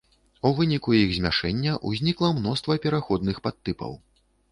У выніку іх змяшэння ўзнікла мноства пераходных падтыпаў.